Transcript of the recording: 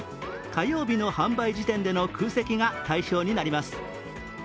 火曜日の販売時点での空席が対象になります。